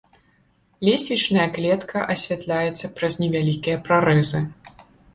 Лесвічная клетка асвятляецца праз невялікія прарэзы.